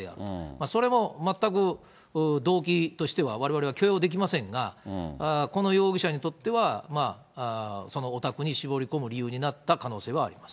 それも全く動機としてはわれわれは許容できませんが、この容疑者にとっては、そのお宅に絞り込む理由になった可能性はあります。